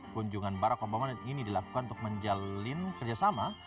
kunjungan para komponen ini dilakukan untuk menjalin kerjasama